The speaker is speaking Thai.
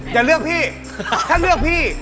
จะเลือกพี่ถ้าเลือกพี่